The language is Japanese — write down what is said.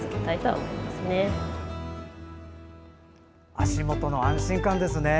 足元の安心感ですね。